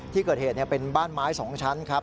ที่เกิดเหตุเป็นบ้านไม้๒ชั้นครับ